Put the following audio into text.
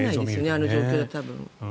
あの状況だと多分。